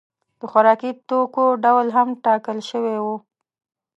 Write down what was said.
د خوراکي توکو ډول هم ټاکل شوی و.